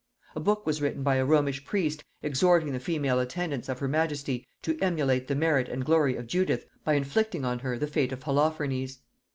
A book was written by a Romish priest, exhorting the female attendants of her majesty to emulate the merit and glory of Judith by inflicting on her the fate of Holophernes.